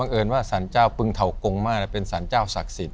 เอิญว่าสารเจ้าปึงเถากงมาเป็นสารเจ้าศักดิ์สิทธิ